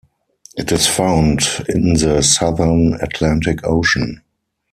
It is found in the southern Atlantic Ocean.